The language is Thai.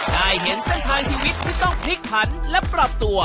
ได้เห็นเส้นทางชีวิตที่ต้องพลิกผันและปรับตัว